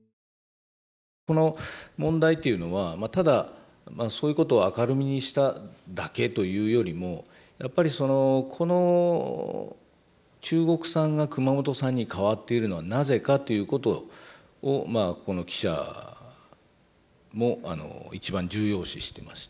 この問題というのはただそういうことを明るみにしただけというよりもやっぱりこの中国産が熊本産に変わっているのはなぜかということをこの記者も一番重要視してまして。